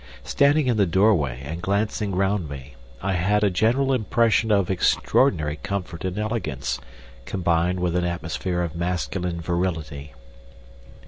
Standing in the doorway and glancing round me, I had a general impression of extraordinary comfort and elegance combined with an atmosphere of masculine virility.